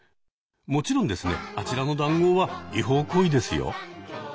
もちろんですねあちらの談合は違法行為ですよ。